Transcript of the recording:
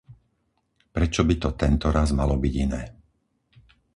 Prečo by to tentoraz malo byť iné?